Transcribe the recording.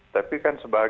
tapi kan sebagian